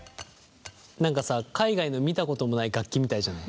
何かさ海外の見たこともない楽器みたいじゃない。